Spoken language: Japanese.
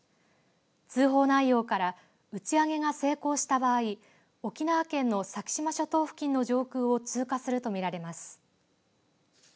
通報内容から打ち上げが成功した場合沖縄県の先島諸島付近の上空を通過すると見られます。